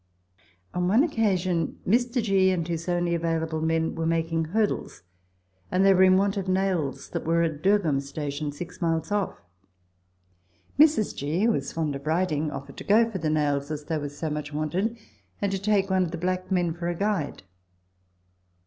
On one occasion Mr. G. and his only available men were making hurdles, and they were in want of nails that were at the Dergholm Station, six miles off. Mrs. G., who was fond of riding, offered to go for the nails, as they were so much wanted, and to take one of the black men for a guide.